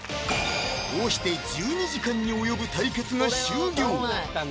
こうして１２時間に及ぶ対決が終了